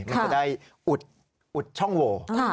มันจะได้อุดช่องโว